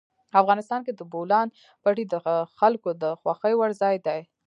افغانستان کې د بولان پټي د خلکو د خوښې وړ ځای دی.